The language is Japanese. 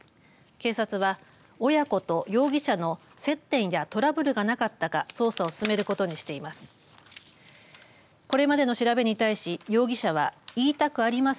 警察は、親子と容疑者の接点やトラブルがなかったか捜査を進めることにしています。